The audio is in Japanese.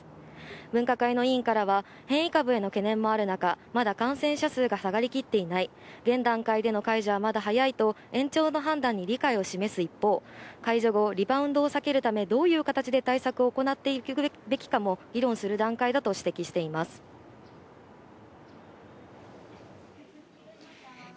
分科会の委員からは変異株への懸念もある中、まだ感染者数が下がりきっていない、現段階での解除まだ早いと延長の判断に理解を示す一方、解除後リバウンドを避けるため、どういう形で対策を行っていくべきかも議論する段階だと指摘しています。